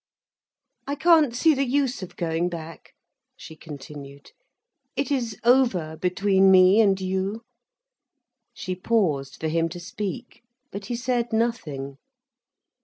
"I can't see the use of going back," she continued. "It is over between me and you—" She paused for him to speak. But he said nothing.